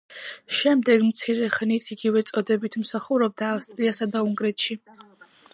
შემდეგ მცირე ხნით იგივე წოდებით მსახურობდა ავსტრიასა და უნგრეთში.